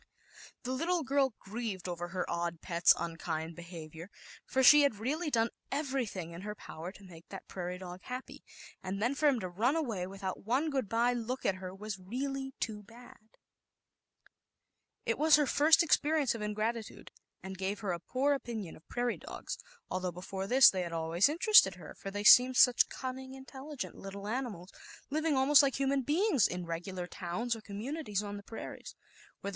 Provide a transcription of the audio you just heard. The little girl grieved over her odd pet's unkind behavior, for she had r< done everything in her power to mal that prairie dog happy, and then for him to run away without one good bye look at her was really too It was her first experience of ngrat tude, and gave her y poor opinion of prairie dogs, although before this they had always interested her, for they seemed such cunning, intelligent little animals, living almost like human bein lar towns o^^^munities where traveller j&r ma see